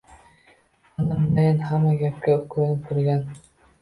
Onamdayin hamma gapga ko’nib turgan